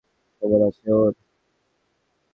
খবর আছে ওর।